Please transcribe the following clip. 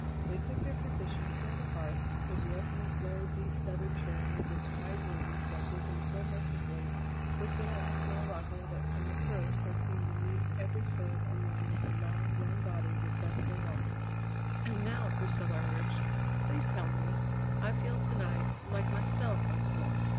They took their positions near the hearth: the dwarf in his low, deep leather chair with its wide "wings" that hid him so mercifully; Priscilla in the small rocker that from the first had seemed to meet every curve and line of her long, young body with restful welcome. "And now," Priscilla urged, "please tell me. I feel, to night, like myself once more.